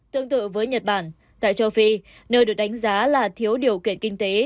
tương tự với nhật bản tại châu phi nơi được đánh giá là thiếu điều kiện kinh tế